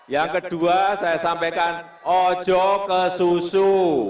yang kedua saya sampaikan ojo kesusu